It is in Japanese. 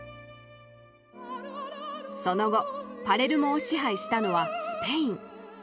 その後パレルモを支配したのはスペイン。